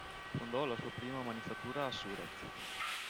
Fondò la sua prima manifattura a Surat.